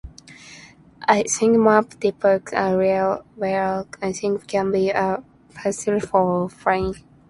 Icing maps depict areas where icing can be a hazard for flying.